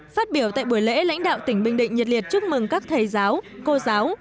phát biểu tại buổi lễ lãnh đạo tỉnh bình định nhiệt liệt chúc mừng các thầy giáo cô giáo